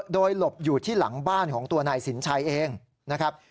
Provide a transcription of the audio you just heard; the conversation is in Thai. โดยหลบอยู่ที่หลังบ้านของตัวนายสินชัยเองนะครับ